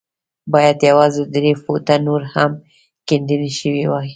بايد يوازې درې فوټه نور هم کيندنې شوې وای.